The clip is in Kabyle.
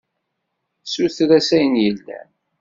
Suter-as ayen yellan.